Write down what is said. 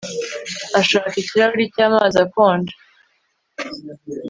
Ashaka ikirahuri cyamazi akonje